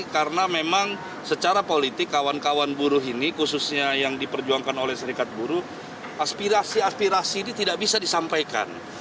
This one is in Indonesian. karena memang secara politik kawan kawan buruh ini khususnya yang diperjuangkan oleh serikat buruh aspirasi aspirasi ini tidak bisa disampaikan